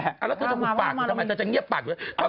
แล้วเธอจะหุบปากอยู่ทำไมเธอจะเงียบปากอยู่ด้วย